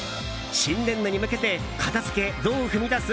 新年度に向けて片付け、どう踏み出す？